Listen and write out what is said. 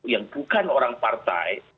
yang bukan orang partai